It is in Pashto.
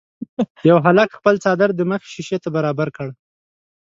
یوه هلک خپل څادر د مخې شيشې ته برابر کړ.